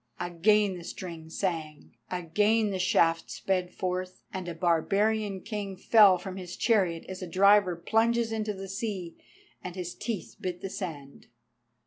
Again the string sang, again the shaft sped forth, and a barbarian king fell from his chariot as a diver plunges into the sea, and his teeth bit the sand.